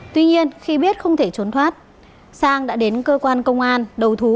tuy nhiên khi biết không thể trốn thoát sang đã đến cơ quan công an đầu thú